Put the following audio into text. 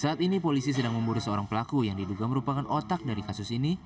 saat ini polisi sedang memburu seorang pelaku yang diduga merupakan otak dari kasus ini